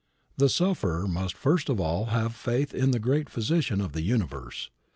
The sufferer must first of all have faith in the great Physician of the universe.